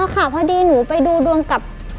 ค่ะพอดีหนูไปดูดวงกับ